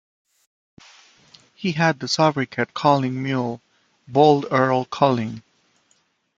He had the sobriquet Colin Mulle, Bold Earl Colin.